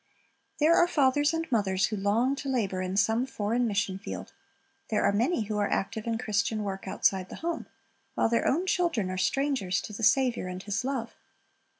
There are fathers and mothers who long to labor in some foreign mission field ; there are many who are active in Chris tian work outside the home, while their own children are strangers to the Saviour and His love.